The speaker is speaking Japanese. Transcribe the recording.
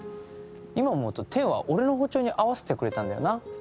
今思うとてんは俺の歩調に合わせてくれたんだよな。